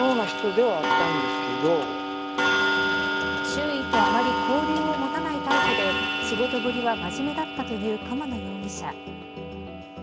周囲とあまり交流を持たないタイプで仕事ぶりは真面目だったという釜野容疑者。